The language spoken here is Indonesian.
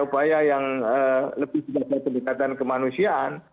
upaya yang lebih menekankan kemanusiaan